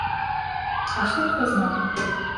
А што хто знае?